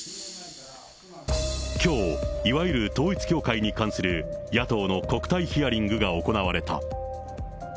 きょう、いわゆる統一教会に関する野党の国対ヒアリングが行われた。